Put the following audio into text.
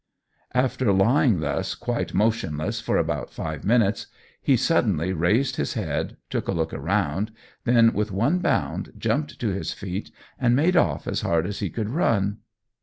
After lying thus quite motionless for about five minutes, he suddenly raised his head, took a look round, then with one bound jumped to his feet and made off as hard as he could run.